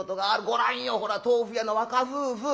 ご覧よほら豆腐屋の若夫婦。